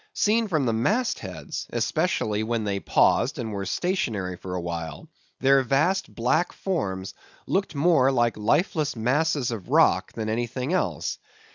Seen from the mast heads, especially when they paused and were stationary for a while, their vast black forms looked more like lifeless masses of rock than anything else.